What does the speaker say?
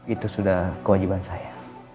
itu sudah kewajiban saya